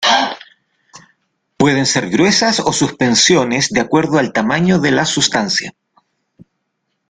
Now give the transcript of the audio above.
Pueden ser gruesas o suspensiones de acuerdo al tamaño de la sustancia.